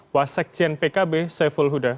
wasek cien pkb seful huda